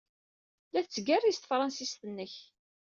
La tettgerriz tefṛensist-nnek.